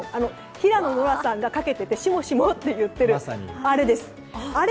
平野ノラさんがかけててしもしも？って言ってるあれ。